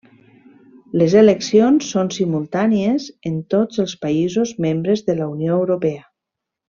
Les eleccions són simultànies en tots els països membres de la Unió Europea.